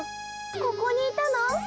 ここにいたの？